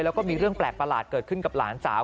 แล้วก็มีเรื่องแปลกประหลาดเกิดขึ้นกับหลานสาว